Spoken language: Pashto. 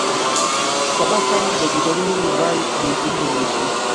سبا ښایي د ګودرونو ځای پوهنتونونه ونیسي.